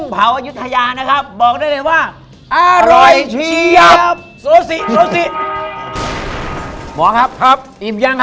เห้ยเดี๋ยวก่อน